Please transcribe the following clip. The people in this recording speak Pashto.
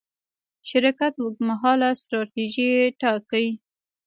شرکت اوږدمهاله ستراتیژي ټاکي.